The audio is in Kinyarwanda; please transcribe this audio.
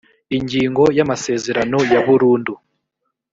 ingingo ya amasezerano ya burundu